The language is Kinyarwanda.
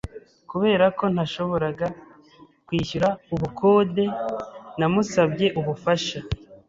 Kubera ko ntashoboraga kwishyura ubukode, namusabye ubufasha.